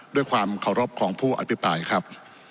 ด้วยความเคารพของผู้อภิปรายครับ